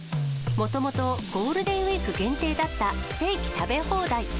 もともと、ゴールデンウィーク限定だったステーキ食べ放題。